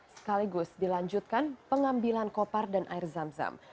sekaligus dilanjutkan pengambilan kopar dan air zam zam